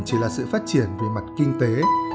chỉ là sự phát triển về mặt kinh tế